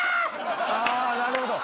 なるほど！